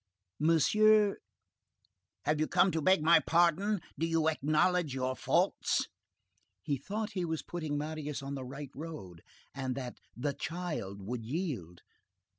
"Monsieur—" "Have you come to beg my pardon? Do you acknowledge your faults?" He thought he was putting Marius on the right road, and that "the child" would yield.